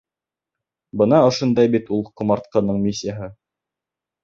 Бына ошондай бит ул ҡомартҡының миссияһы.